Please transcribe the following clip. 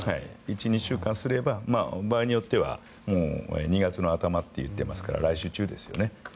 １２週間すれば場合によっては２月の頭といていますから来週中ですよね。